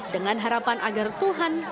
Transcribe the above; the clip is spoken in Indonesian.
dengan harapan agar tuhan